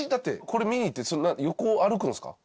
これ見に行って横を歩くんですか？